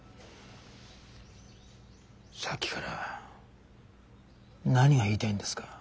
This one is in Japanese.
さっきから何が言いたいんですか？